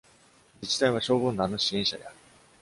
自治体は消防団の支援者である。